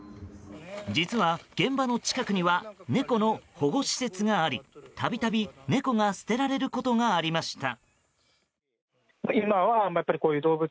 実は、現場の近くには猫の保護施設があり度々、猫が捨てられることがありました。